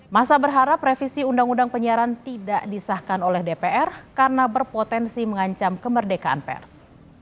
masa berharap revisi undang undang penyiaran tidak disahkan oleh dpr karena berpotensi mengancam kemerdekaan pers